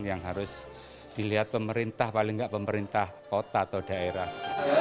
yang harus dilihat pemerintah paling nggak pemerintah kota atau daerah